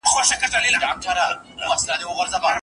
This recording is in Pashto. نن د څراغ پليته نــــــه لـــــګــيــــــــــــږي